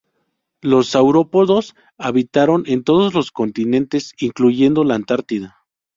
Los saurópodos habitaron en todos los continentes incluyendo la Antártida.